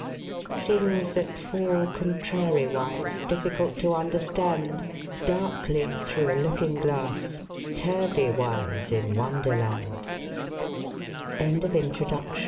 Things that fall contrariwise. Difficult to understand, Darkly through a Looking Glass Turvey wise in Wonderla